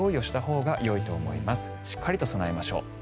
しっかりと備えましょう。